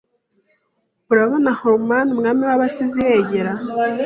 Urabona Homer Umwami w'Abasizi yegera